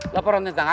laporan tentang apa